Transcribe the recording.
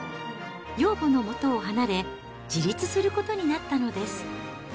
養母のもとを離れ、自立することになったんです。